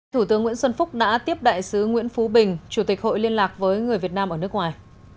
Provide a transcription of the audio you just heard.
thủ tướng nguyễn xuân phúc đã tiếp đại sứ nguyễn phú bình chủ tịch hội liên lạc với người việt nam ở nước ngoài